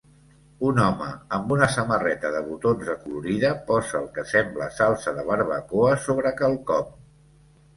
Un home amb una samarreta de botons acolorida posa el que sembla salsa de barbacoa sobre quelcom